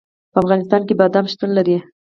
په افغانستان کې بادام شتون لري.